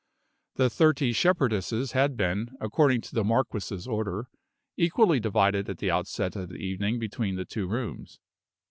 The thirty shepherdesses had been, according to the marquis's order, equally divided at the outset of the evening between the two rooms.